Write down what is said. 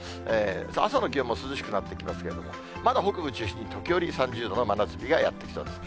朝の気温も涼しくなってきますけれども、まだ北部を中心に時折、３０度の真夏日がやって来そうです。